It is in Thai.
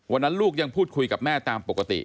ลูกยังพูดคุยกับแม่ตามปกติ